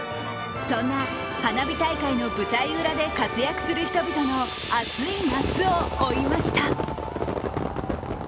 そんな花火大会の舞台裏で活躍する人々の熱い夏を追いました。